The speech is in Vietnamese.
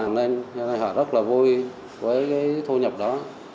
nên họ rất là vui với cái thu nhập đó